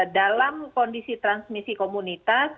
dalam kondisi transmisi komunitas